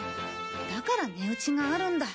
だから値打ちがあるんだ。